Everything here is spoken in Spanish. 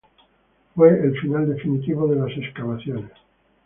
Fue el final definitivo de las excavaciones.